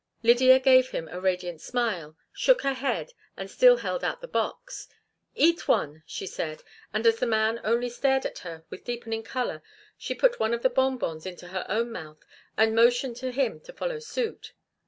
Lydia gave him a radiant smile, shook her head, and still held out the box. "Eat one," she said; and as the man only stared at her with deepening color, she put one of the bonbons into her own mouth and motioned to him to follow suit.